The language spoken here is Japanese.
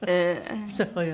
そうよね。